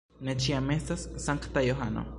Ne ĉiam estas sankta Johano.